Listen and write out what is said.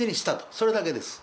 それだけです。